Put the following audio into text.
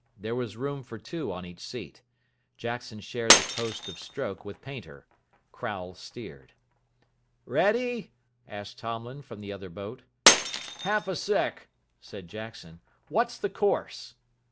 There was room for two on each seat. Jackson shared the post of stroke with Painter. Crowle steered. "Ready?" asked Tomlin from the other boat. "Half a sec.," said Jackson. "What's the course?"